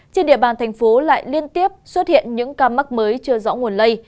trên địa bàn thành phố lại liên tiếp xuất hiện những ca mắc mới chưa rõ nguồn lây